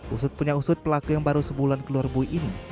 usut punya usut pelaku yang baru sebulan keluar bui ini